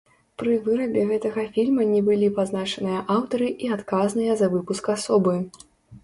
Пры вырабе гэтага фільма не былі пазначаныя аўтары і адказныя за выпуск асобы.